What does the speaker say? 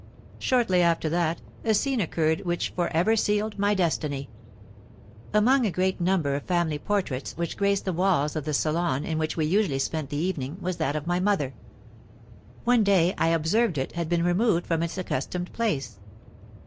Shortly after that, a scene occurred which for ever sealed my destiny. "Among a great number of family portraits, which graced the walls of the salon in which we usually spent the evening, was that of my mother. One day I observed it had been removed from its accustomed place.